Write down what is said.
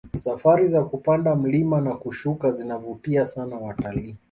safari za kupanda mlima na kushuka zinavutia sana watalii